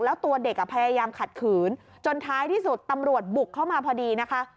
แล้วตัวเด็กพยายามขัดขืนจนท้ายที่สุดตำรวจบุกเข้ามาพอดีนะคะ